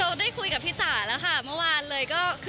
เบลล์ได้คุยกับพี่จ๋าแล้วค่ะเมื่อวานเลย